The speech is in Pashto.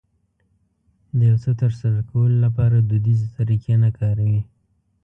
د يو څه ترسره کولو لپاره دوديزې طريقې نه کاروي.